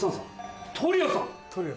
『トリオさん』か。